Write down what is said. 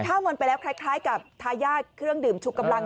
ถ้ามันไปแล้วคล้ายกับทายาทเครื่องดื่มชุกกำลัง